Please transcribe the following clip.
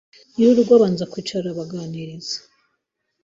Nyir'urugo abanza kwicara arabaganiriza,